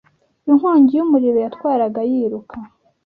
Inkongi yumuriro yatwaraga yiruka